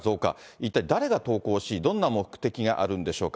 一体、誰が投稿し、どんな目的があるんでしょうか。